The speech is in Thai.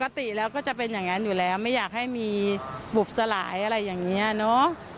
ปกติแล้วก็จะเป็นอย่างนั้นอยู่แล้วไม่อยากให้มีบุบสลายอะไรอย่างนี้เนอะ